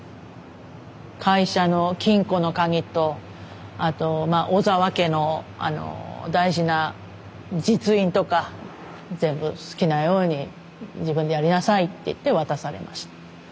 会社の金庫の鍵とあと尾澤家の大事な実印とか「全部好きなように自分でやりなさい」って言って渡されました。